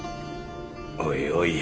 おいおいや。